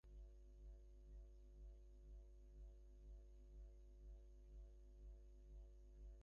ভজু কহিল, তিনি দুই দিন মাত্র কলিকাতায় থাকিয়া কাল বাগানে চলিয়া গেছেন।